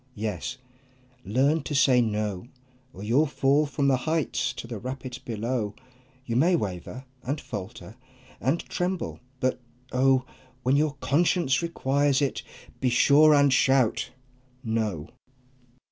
Yes, learn to say "No!" Or you'll fall from the heights to the rapids below! You may waver, and falter, and tremble, but oh! When your conscience requires it, be sure and shout "No!"